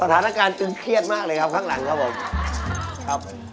สถานการณ์จึงเครียดมากเลยครับข้างหลังครับผมครับ